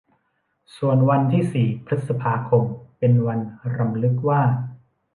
ส่วนวันที่สี่พฤษภาคม เป็นวันรำลึกว่า